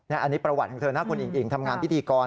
อันนี้ประวัติของเธอนะคุณอิงอิ๋งทำงานพิธีกร